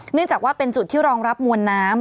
เนื่องจากว่าเป็นจุดที่รองรับมวลน้ำ